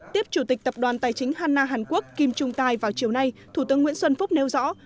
tiếp chủ tịch tập đoàn tài chính hanna hàn quốc kim trung tài vào chiều nay thủ tướng nguyễn xuân phúc nêu rõ